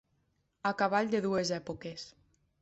A cavall de dues èpoques.